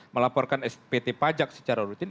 melaporkan spt pajak secara rutin